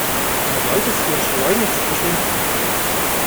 Du solltest hier schleunigst verschwinden.